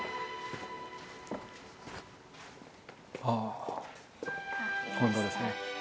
ああ本堂ですね。